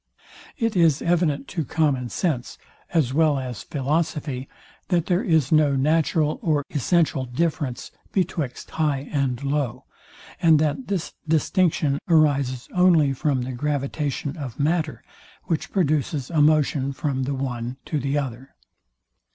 It is evident to common sense, as well as philosophy, that there is no natural nor essential difference betwixt high and low, and that this distinction arises only from the gravitation of matter, which produces a motion from the one to the other.